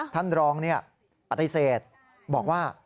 ท่านรองปฏิเสธบอกว่า